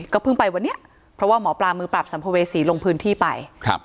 ก็เพิ่งไปวันนี้เพราะว่าหมอปลามือปราบสัมภเวษีลงพื้นที่ไป